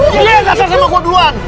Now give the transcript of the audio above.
iya gak salah sama kuduan